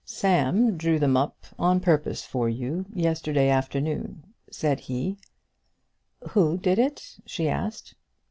"Sam drew them up on purpose for you, yesterday afternoon," said he. "Who did it?" she asked.